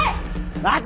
待て！